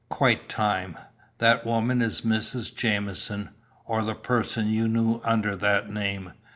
"Quite time. That woman is Mrs. Jamieson, or the person you knew under that name.